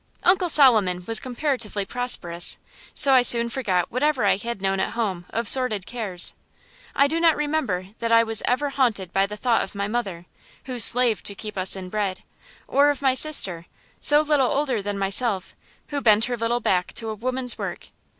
Uncle Solomon was comparatively prosperous, so I soon forgot whatever I had known at home of sordid cares. I do not remember that I was ever haunted by the thought of my mother, who slaved to keep us in bread; or of my sister, so little older than myself, who bent her little back to a woman's work.